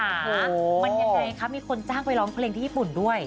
มันยังไงคะมีคนจ้างไปร้องเพลงที่ญี่ปุ่นด้วย